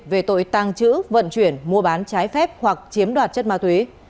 về tội tàng trữ vận chuyển mua bán trái phép hoặc chiếm đoạt chất ma túy